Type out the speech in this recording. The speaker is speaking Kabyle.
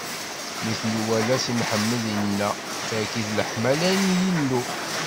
Mi ten-iwala, Si Mḥemmed inna: Tagi d leḥmala n Yillu!